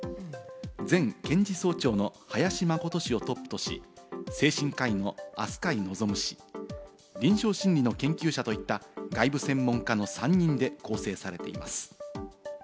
前検事総長の林眞琴氏をトップとし、精神科医の飛鳥井望氏、臨床心理の研究者といった外部専門家の３人で構成されています。